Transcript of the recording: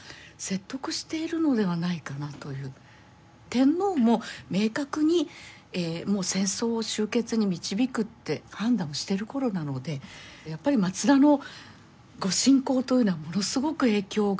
天皇も明確にもう戦争を終結に導くって判断をしてる頃なのでやっぱり松田の御進講というのはものすごく影響があったと思うし。